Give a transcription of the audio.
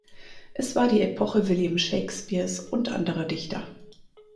Es war die Epoche William Shakespeares und anderer Dichter.